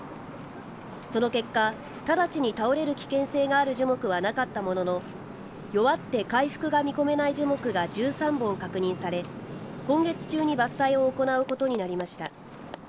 その結果ただちに倒れる危険性がある樹木はなかったものの弱って回復が見込めない樹木が１３本確認され今月中に伐採を行うことになりました。